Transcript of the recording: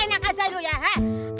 enak aja lu ya hah